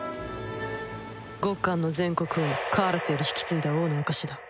ゴッカンの前国王カーラスより引き継いだ王の証しだ。